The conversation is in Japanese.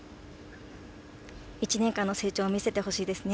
１年間の成長を見せてほしいですね。